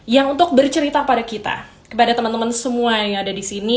yang untuk bercerita pada kita kepada teman teman semua yang ada di sini